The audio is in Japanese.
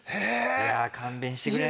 いや勘弁してくれ。